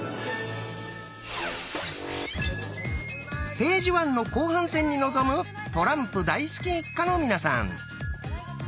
ページワンの後半戦に臨むトランプ大好き一家の皆さん。